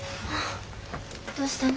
どうしたの？